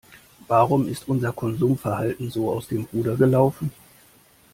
Warum ist unser Konsumverhalten so aus dem Ruder gelaufen?